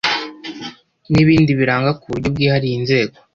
n ibindi biranga ku buryo bwihariye inzego